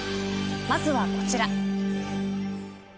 まずはこちら。